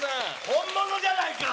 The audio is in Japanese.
本物じゃないか！